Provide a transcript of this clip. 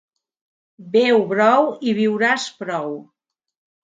Beu brou i viuràs prou.